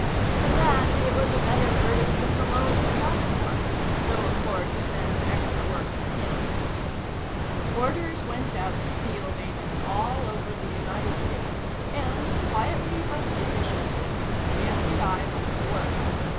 At that, it was a better verdict than Malone had tried for. Though, of course, it meant extra work for him. Orders went out to field agents all over the United States, and, quietly but efficiently, the FBI went to work.